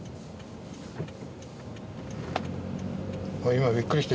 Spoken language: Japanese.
今びっくりした。